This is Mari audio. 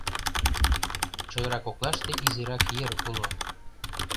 Чодыра коклаште изирак ер уло.